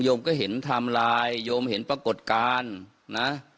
โยมก็เห็นทำลายโยมเห็นปรากฏการณ์นะ